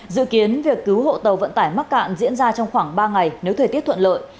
dự kiến việc cứu hộ tàu vận tải mắc cạn diễn ra trong khoảng ba ngày nếu thời tiết thuận lợi